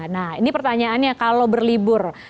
nah ini pertanyaannya kalau berlibur